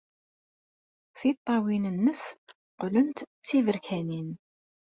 Tiṭṭawin-nnes qqlent d tiberkanin.